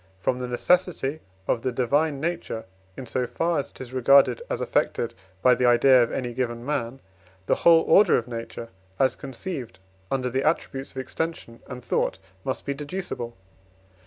from the necessity of the divine nature, in so far as it is regarded as affected by the idea of any given man, the whole order of nature as conceived under the attributes of extension and thought must be deducible.